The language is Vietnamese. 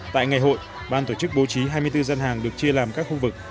tại ngày hội ban tổ chức bố trí hai mươi bốn dân hàng được chia làm các khu vực